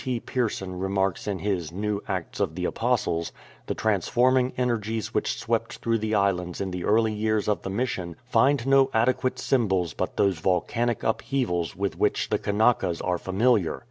T. Pierson remarks in his New Acts of the Apostles^ the transforming energies which swept through the islands in the early years of the Mission "find no adequate symbols but those volcanic upheavals with which the Kanakas are familiar."